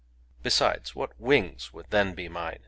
Besides, what wings would then be mine